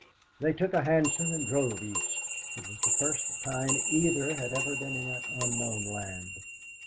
They took a hansom and drove East. It was the first time either had ever been in that unknown land.